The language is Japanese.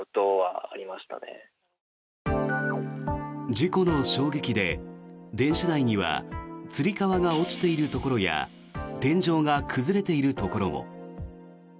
事故の衝撃で、電車内にはつり革が落ちているところや天井が崩れているところも。